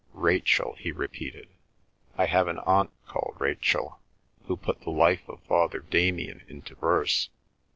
"Rachel," he repeated. "I have an aunt called Rachel, who put the life of Father Damien into verse.